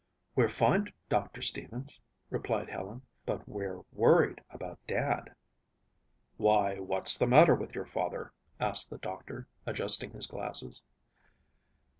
"We're fine, Doctor Stevens," replied Helen, "but we're worried about Dad." "Why, what's the matter with your father?" asked the doctor, adjusting his glasses.